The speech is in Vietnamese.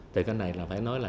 thì cái này là phải nói là